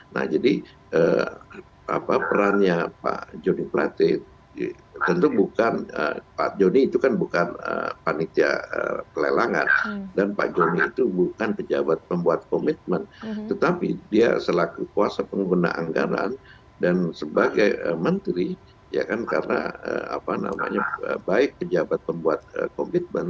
nah jadi perannya pak joni platin tentu bukan pak joni itu kan bukan panitia pelelangan dan pak joni itu bukan pejabat pembuat komitmen tetapi dia selaku kuasa pengguna anggaran dan sebagai menteri ya kan karena apa namanya baik pejabat pembuat komitmen